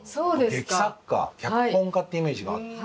劇作家脚本家ってイメージがあって。